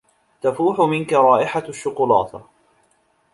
تفوح منك رائحة الشوكولاتة.